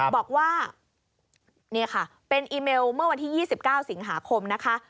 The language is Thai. บอกว่าเป็นอีเมลเมื่อวันที่๒๙สิงหาคม